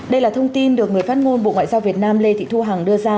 đây là thông tin được người phát ngôn bộ ngoại giao việt nam lê thị thu hằng đưa ra